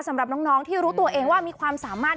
สำหรับน้องที่รู้ตัวเองว่ามีความสามารถ